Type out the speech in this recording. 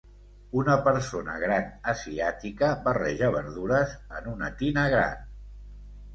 Una persona gran asiàtica barreja verdures en una tina gran